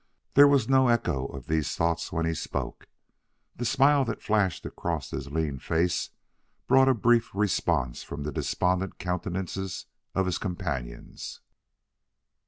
There was no echo of these thoughts when he spoke; the smile that flashed across his lean face brought a brief response from the despondent countenances of his companions.